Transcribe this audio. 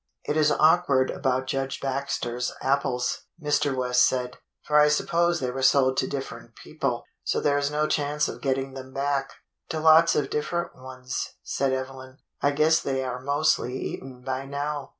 "It is awkward about Judge Baxter's apples," Mr. West said. "For I suppose they were sold to different people, so there is no chance of getting them back." "To lots of different ones," said Evelyn. "I guess they are mostly eaten by now.